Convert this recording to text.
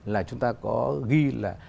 là chúng ta có ghi là